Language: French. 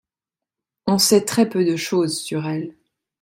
On sait très peu de choses sur elle.